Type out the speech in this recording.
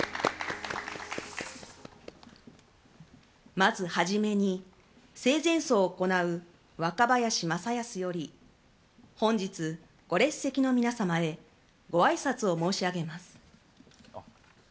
まず、初めに生前葬を行う若林正恭より本日ご列席の皆様へごあいさつを申し上げます。